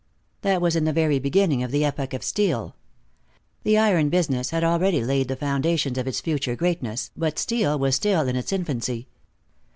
That was in the very beginning of the epoch of steel. The iron business had already laid the foundations of its future greatness, but steel was still in its infancy.